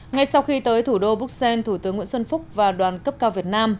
ngay sau khi tới thủ đô bruxelles thủ tướng nguyễn xuân phúc và đoàn cấp cao việt nam